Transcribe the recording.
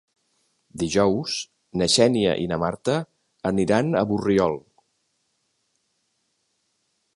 Dijous na Xènia i na Marta aniran a Borriol.